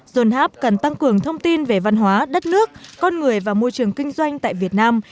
john hap cần tăng cường thông tin về văn hóa đất nước con người và môi trường kinh doanh tại việt nam